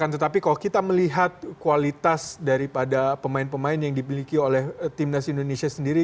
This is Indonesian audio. tetapi kalau kita melihat kualitas daripada pemain pemain yang dimiliki oleh timnas indonesia sendiri